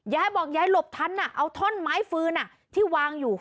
ยายบอกยายหลบทันเอาท่อนไม้ฟืนที่วางอยู่